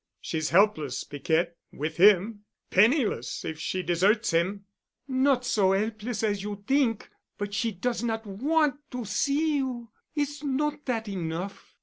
She's helpless, Piquette, with him—penniless, if she deserts him." "Not so 'elpless as you t'ink. But she does not want to see you. Is not dat enough?"